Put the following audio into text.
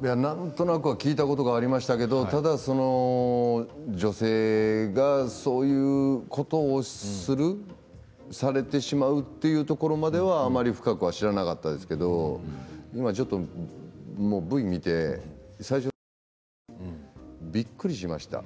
なんとなくは聞いたことがありましたけどただ、その女性がそういうことをするされてしまうというところまではあまり深くは知らなかったですけど今ちょっとＶを見て最初のＶなのにびっくりしました。